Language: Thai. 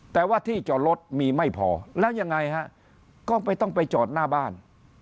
แต่ว่าที่จอดรถมีไม่พอแล้วยังไงฮะก็ไม่ต้องไปจอดหน้าบ้าน